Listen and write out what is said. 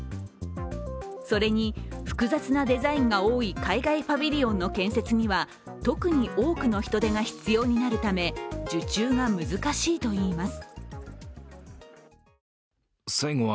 それに複雑なデザインが多い海外パビリオンの建設には特に多くの人手が必要になるため受注が難しいといいます。